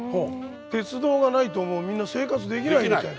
鉄道がないともうみんな生活できないみたいな。